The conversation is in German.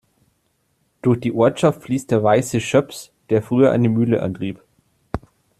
Durch die Ortschaft fließt der Weiße Schöps, der früher eine Mühle antrieb.